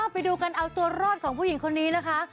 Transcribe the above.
ไปดูกันเอาตัวรอดของผู้หญิงคนนี้นะคะ